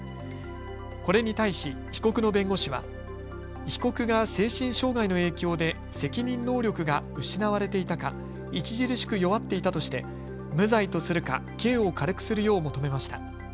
これに対し被告の弁護士は被告が精神障害の影響で責任能力が失われていたか著しく弱っていたとして無罪とするか刑を軽くするよう求めました。